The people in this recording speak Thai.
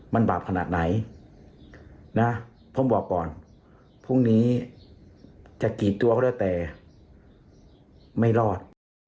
มันบาปขนาดไหนนะผมบอกก่อนพรุ่งนี้จะกี่ตัวก็แล้วแต่ไม่รอด